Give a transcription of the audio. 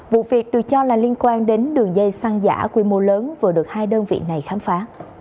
vụ việc được cho là liên quan đến đường dây xăng giả quy mô lớn vừa được hai đơn vị này khám phá